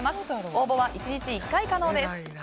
応募は１日１回可能です。